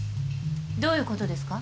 どういうことですか？